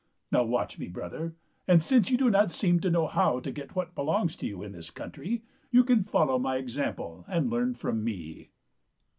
Now watch me, brother ; and since you do not seem to t^^ 5nar'5 tak 133 know how to get what belongs to you in this coun try, you can follow my example and learn from me."